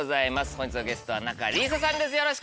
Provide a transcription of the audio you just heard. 本日のゲストは仲里依紗さんです。